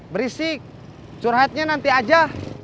berisik surhatnya nanti aja